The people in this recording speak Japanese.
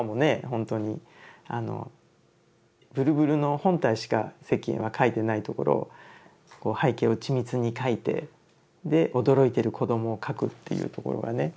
ほんとにあの震々の本体しか石燕は描いてないところを背景を緻密に描いてで驚いてる子供を描くっていうところがね。